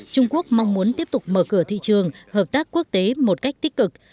trung quốc mong muốn tiếp tục mở cửa thị trường hợp tác quốc tế một cách tích cực